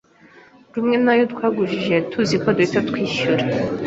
rumwe nayo twayagujije tuzi ko duhita twishyura,